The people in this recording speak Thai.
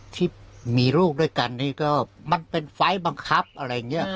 ที่มีลูกด้วยกันนี่ก็มันเป็นไฟล์บังคับอะไรอย่างนี้